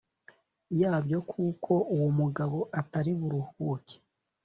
yabyo kuko uwo mugabo atari buruhuke